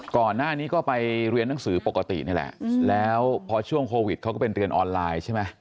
ก่อนหน้านี้ก็ไปเรียนหนังสือปกตินี่แหละแล้วพอช่วงโควิดเขาก็เป็นเรียนออนไลน์ใช่ไหม